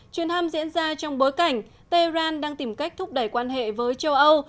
chuyến thăm diễn ra trong bối cảnh tehran đang tìm cách thúc đẩy quan hệ với châu âu